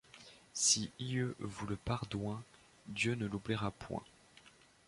Si ie vous le pardoint, Dieu ne l’oubliera point.